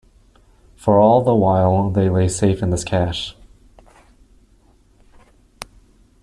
For all the while they lay safe in this cache.